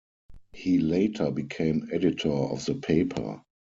He later became editor of the paper.